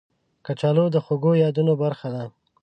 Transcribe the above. کچالو د خوږو یادونو برخه ده